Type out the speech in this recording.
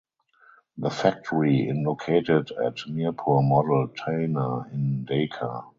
The factory in located at Mirpur Model Thana in Dhaka.